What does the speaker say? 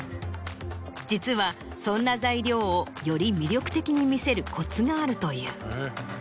実はそんな材料をより魅力的に見せるコツがあるという。